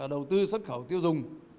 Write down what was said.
đầu tư xuất khẩu tiêu dùng